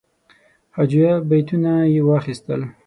هجویه بیتونه یې واخیستل.